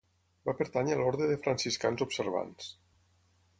Va pertànyer a l’orde de franciscans observants.